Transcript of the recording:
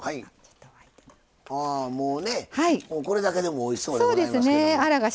ああもうねもうこれだけでもおいしそうでございますけども。